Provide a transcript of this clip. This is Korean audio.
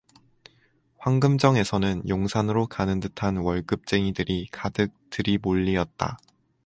황금정에서는 용산으로 가는 듯한 월급쟁이들이 가득 들이몰리었다.